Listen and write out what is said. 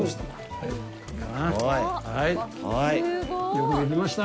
よくできました。